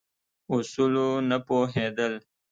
اصولو نه پوهېدل.